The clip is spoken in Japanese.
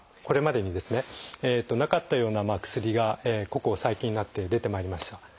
これまでにですねなかったような薬がここ最近になって出てまいりました。